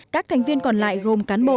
các thành viên còn lại gồm cán bộ